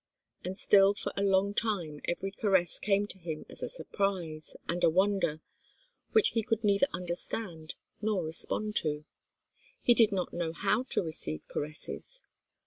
And still for a long time every caress came to him as a surprise, and a wonder, which he could neither understand, nor respond to. He did not know how to receive caresses.